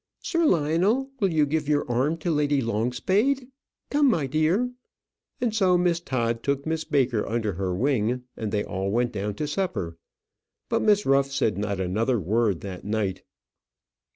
Sir Lionel, will you give your arm to Lady Longspade? Come, my dear;" and so Miss Todd took Miss Baker under her wing, and they all went down to supper. But Miss Ruff said not another word that night.